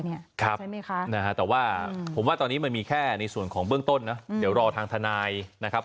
ใช่ไหมคะแต่ว่าผมว่าตอนนี้มันมีแค่ในส่วนของเบื้องต้นนะเดี๋ยวรอทางทนายนะครับ